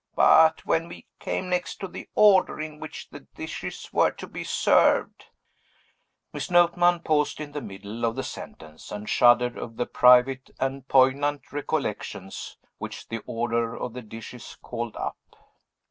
But when we came next to the order in which the dishes were to be served " Miss Notman paused in the middle of the sentence, and shuddered over the private and poignant recollections which the order of the dishes called up.